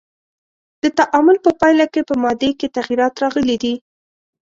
د تعامل په پایله کې په مادې کې تغیرات راغلی دی.